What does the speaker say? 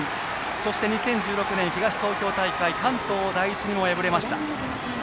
そして２０１６年、東東京関東第一にも敗れました。